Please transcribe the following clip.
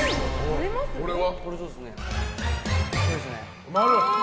これは○。